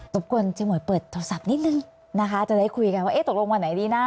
บกวนเจ๊หวยเปิดโทรศัพท์นิดนึงนะคะจะได้คุยกันว่าเอ๊ะตกลงวันไหนดีนะ